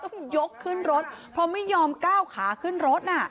ต้องยกขึ้นรถเพราะไม่ยอมก้าวขาขึ้นรถน่ะ